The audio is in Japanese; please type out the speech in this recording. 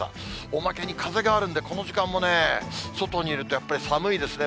おまけに風があるんで、この時間もね、外にいると、やっぱり寒いですね。